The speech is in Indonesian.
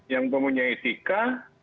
yang mempunyai etika